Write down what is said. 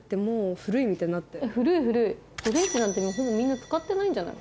古い古いオレンジなんてもうほぼみんな使ってないんじゃない？